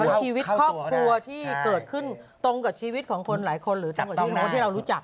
ชีวิตครอบครัวที่เกิดขึ้นตรงกับชีวิตของคนหลายคนหรือจังหวัดที่โน้ตที่เรารู้จัก